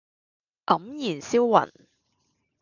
黯然銷魂